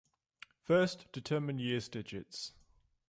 First, determine years' digits.